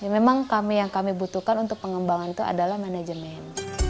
memang yang kami butuhkan untuk pengembangan itu adalah manajemen